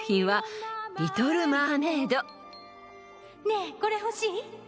「ねえこれ欲しい？